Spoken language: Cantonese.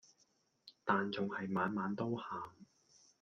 但仲係晚晚都喊